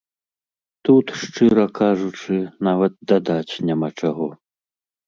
Тут, шчыра кажучы, нават дадаць няма чаго.